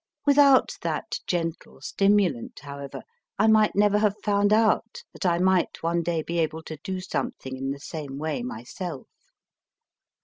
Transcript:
Without that gentle stimulant, however, I might never have found out that I might one day be able to do something in the same way myself.